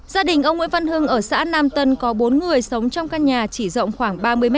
gia đình ông nguyễn văn hưng ở xã nam tân có bốn người sống trong căn nhà chỉ rộng khoảng ba mươi m hai